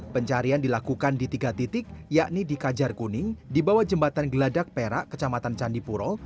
pencarian dilakukan di tiga titik yakni di kajar kuning di bawah jembatan geladak perak kecamatan candipuro